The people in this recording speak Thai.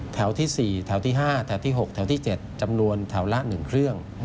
แถวที่๔แถวที่๕แถวที่๖แถวที่๗จำนวนแถวละ๑เครื่อง